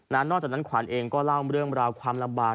นอกจากนั้นขวัญเองก็เล่าเรื่องราวความลำบาก